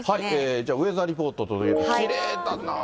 じゃあ、ウェザーリポート、きれいだな。